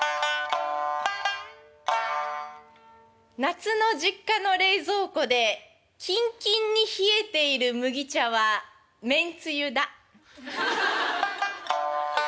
夏の実家の冷蔵庫でキンキンに冷えている麦茶はめんつゆだ。